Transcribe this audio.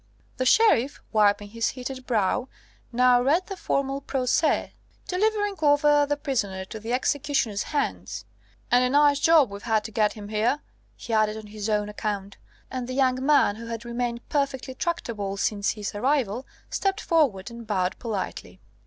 The Sheriff, wiping his heated brow, now read the formal procès delivering over the prisoner to the executioner's hands; "and a nice job we've had to get him here," he added on his own account. And the young man, who had remained perfectly tractable since his arrival, stepped forward and bowed politely.